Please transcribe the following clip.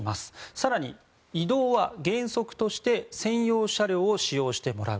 更に移動は原則として専用車両を使用してもらう。